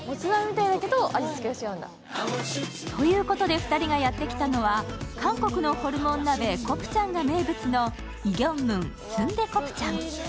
２人がやってきたのは韓国のホルモン鍋・コプチャンが名物のイギョンムンスンデコプチャン。